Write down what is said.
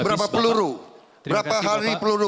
berapa peluru berapa hari peluru